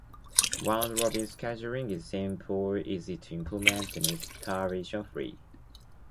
Round-robin scheduling is simple, easy to implement, and starvation-free.